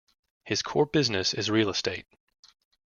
His core business is real estate.